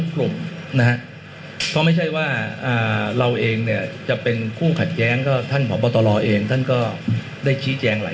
แป๊บนึงนะฮะ